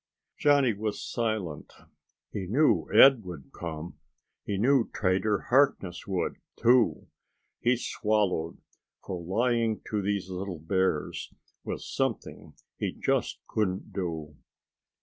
Johnny was silent. He knew Ed would come. He knew Trader Harkness would, too. He swallowed, for lying to these little bears was something he just couldn't do.